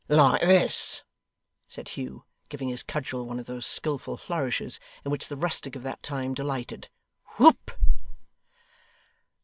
' Like this?' said Hugh, giving his cudgel one of those skilful flourishes, in which the rustic of that time delighted. 'Whoop!